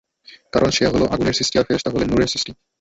কারণ সে হলো আগুনের সৃষ্টি আর ফেরেশতারা হলেন নূরের সৃষ্টি।